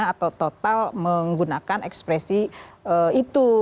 atau total menggunakan ekspresi itu